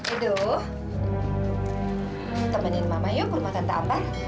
aduh temenin mama yuk rumah tante ambar